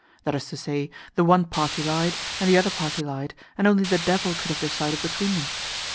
That is to say, the one party lied, and the other party lied, and only the devil could have decided between them.